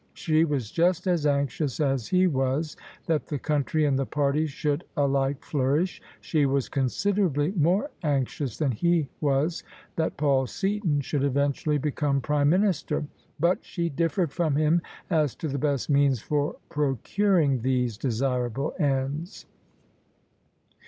She was just as anxious as he was that the country and the party should alike flourish : she was considerably more anxious than he was that Paul Seaton should eventually become Prime Minister: but she differed from him as to the best means for procuring these desirable ends.